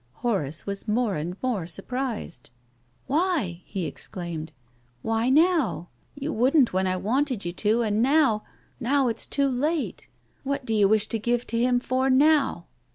Horace was more and more surprised. "Why?" he exclaimed. "Why now? You wouldn't when I wanted you to, and now — now it's too late. What do you wish to give to him for now